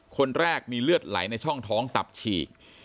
คนแรกมีเลือดไหลในช่องท้องตับฉีก